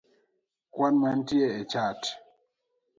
kwan manitie e chat?